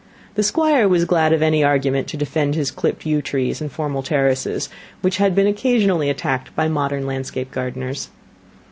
The Squire was glad of any argument to defend his clipped yew trees and formal terraces, which had been occasionally attacked by modern landscape gardeners.